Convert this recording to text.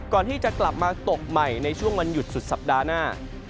ก่อนที่จะกลับมาตกใหม่ในช่วงวันหยุดสุดสัปดาห์หน้า